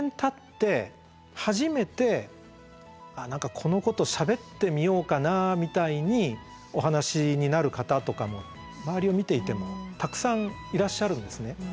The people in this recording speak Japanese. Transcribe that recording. このことをしゃべってみようかなみたいにお話になる方とかも周りを見ていてもたくさんいらっしゃるんですね。